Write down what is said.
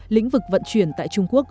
lĩnh vực vận chuyển tại trung quốc